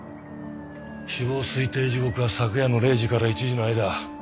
死亡推定時刻は昨夜の０時から１時の間。